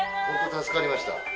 本当助かりました。